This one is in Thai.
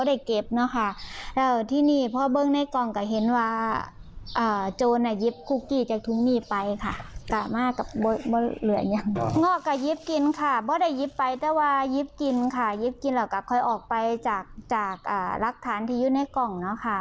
ยิบกินแล้วก็คอยออกไปจากรักฐานที่ยืดในกล่อง